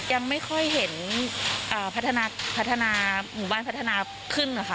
ยังไม่ค่อยเห็นพัฒนาหมู่บ้านพัฒนาขึ้นนะคะ